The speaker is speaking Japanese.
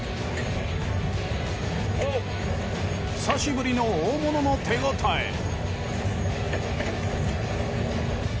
久しぶりの大物の手応え。